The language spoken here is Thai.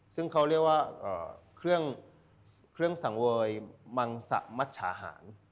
ซึ่งเขาเรียกว่าเครื่องสังเวยมังสะมัชชาหาร